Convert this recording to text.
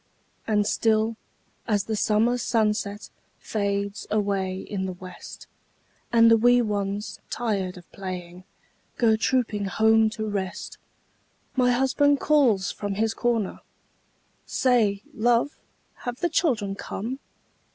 And still, as the summer sunset Fades away in the west, And the wee ones, tired of playing, Go trooping home to rest, My husband calls from his corner, "Say, love, have the children come?"